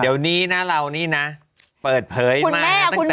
เดี๋ยวนี้นะเราเปิดเผยมากนะ